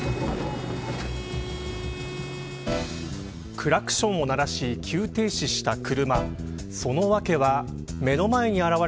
クラクションを鳴らし急停止した車。